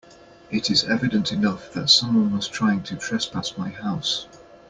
It is evident enough that someone was trying to trespass my house.